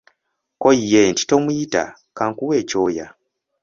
Kko ye nti tomuyita kankuwe ekyoya.